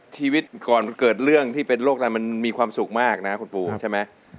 ชีวิตก่อนเกิดเรื่องที่เป็นโรคอะไรมันมีความสุขมากนะคุณปูใช่ไหม